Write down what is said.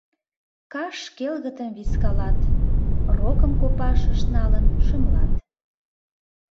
Каш келгытым вискалат, рокым копашышт налын шымлат.